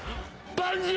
バンジー。